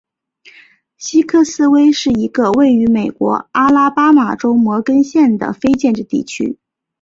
西克斯威是一个位于美国阿拉巴马州摩根县的非建制地区。